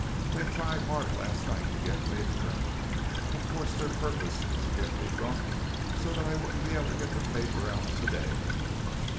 "They tried hard last night to get me to drink. Of course their purpose was to get me drunk so that I wouldn't be able to get the paper out today.